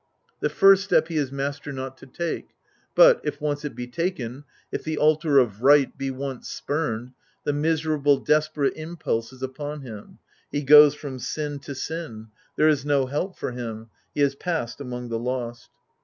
"The first step he is master not to take.;" but, if once it be taken, if the altar of right be once spumed — the miserable, desperate impulse is upon him ; he goes from sin to sin, there is no help for him, he has passed among the lost.